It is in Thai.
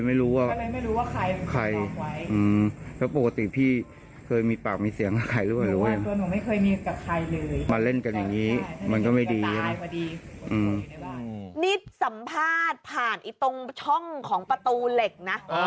นี่สัมภาษณ์ผ่านตรงช่องของประตูเหล็กนะ